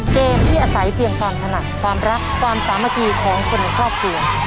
เกมที่อาศัยเพียงความถนัดความรักความสามัคคีของคนในครอบครัว